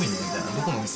どこのお店？